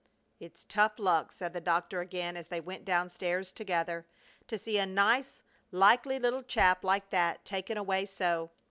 "It's tough luck," said the doctor again as they went down stairs together, "to see a nice, likely little chap like that taken away so.